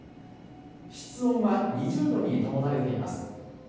室温は２０度に保たれています。